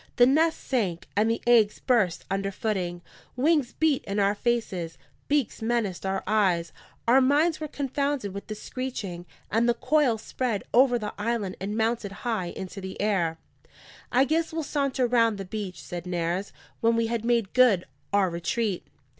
The nests sank, and the eggs burst under footing; wings beat in our faces, beaks menaced our eyes, our minds were confounded with the screeching, and the coil spread over the island and mounted high into the air. "I guess we'll saunter round the beach," said Nares, when we had made good our retreat.